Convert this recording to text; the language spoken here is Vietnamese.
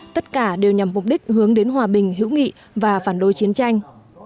tất cả đều nhằm mục đích hướng đến hòa bình hữu nghị và phản đối chiến tranh